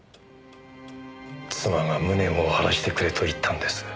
妻が無念を晴らしてくれと言ったんです。